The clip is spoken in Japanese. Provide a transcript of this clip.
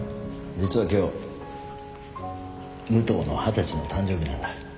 実は今日武藤の二十歳の誕生日なんだ